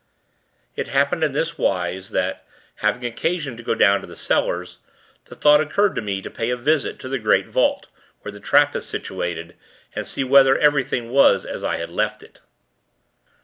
It happened in this wise, that, having occasion to go down to the cellars, the thought occurred to me to pay a visit to the great vault, where the trap is situated; and see whether everything was as I had left it.